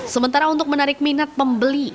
sementara untuk menarik minat pembeli